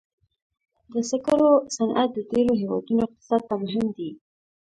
د سکرو صنعت د ډېرو هېوادونو اقتصاد ته مهم دی.